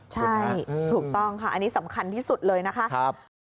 ใช่ถูกต้องค่ะอันนี้สำคัญที่สุดเลยนะคะ